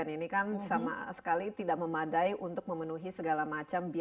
ini kan sama sekali tidak memadai untuk memenuhi segala macam biaya